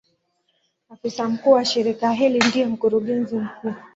Afisa mkuu wa shirika hili ndiye Mkurugenzi mkuu.